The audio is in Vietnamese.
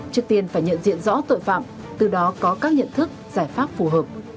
trước tiên phải nhận diện rõ tội phạm từ đó có các nhận thức giải pháp phù hợp